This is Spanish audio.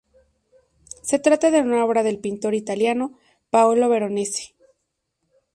Se trata de una obra del pintor italiano Paolo Veronese.